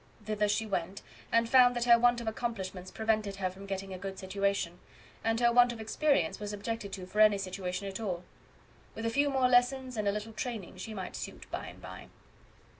Thither she went, and found that her want of accomplishments prevented her from getting a good situation; and her want of experience was objected to for any situation at all. With a few more lessons, and a little training, she might suit by and by.